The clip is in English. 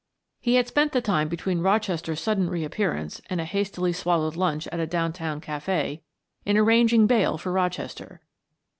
He had spent the time between Rochester's sudden reappearance and a hastily swallowed lunch at a downtown cafe, in arranging bail for Rochester.